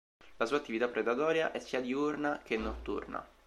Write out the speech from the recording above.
La sua attività predatoria è sia diurna che notturna.